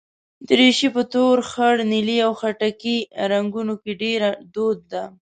دریشي په تور، خړ، نیلي او خټکي رنګونو کې ډېره دود ده.